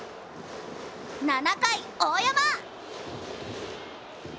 ７回、大山！